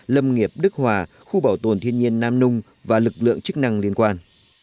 lâm nghiệp đức hòa khu bảo tồn thiên nhiên nam nung và lực lượng chức năng liên quan